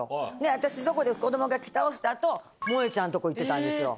私とこで子供が着倒した後もえちゃんとこ行ってたんですよ